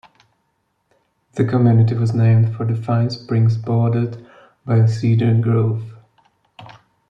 The community was named for the fine springs bordered by a cedar grove.